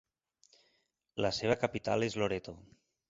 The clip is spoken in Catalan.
La seva capital és Loreto.